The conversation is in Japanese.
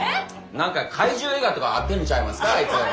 何か怪獣映画とか合ってるんちゃいますかあいつ。